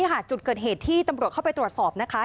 นี่คือนี่ค่ะจุดเกิดเหตุที่ตำรวจเข้าไปตรวจสอบนะคะ